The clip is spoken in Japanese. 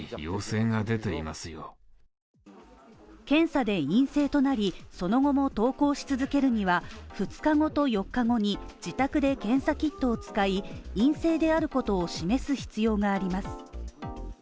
検査で陰性となり、その後も登校し続けるには、２日後と４日後に自宅で検査キットを使い、陰性であることを示す必要があります。